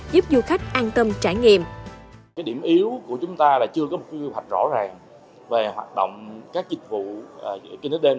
giúp du khách an tâm trải nghiệm